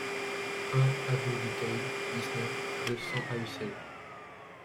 un avenue du Theil, dix-neuf, deux cents à Ussel